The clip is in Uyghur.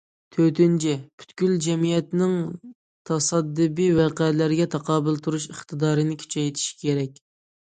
تۆتىنچى، پۈتكۈل جەمئىيەتنىڭ تاسادىپىي ۋەقەلەرگە تاقابىل تۇرۇش ئىقتىدارىنى كۈچەيتىش كېرەك.